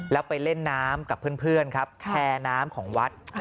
แล้วไปเล่นน้ำกับเพื่อนครับแพร่น้ำของวัด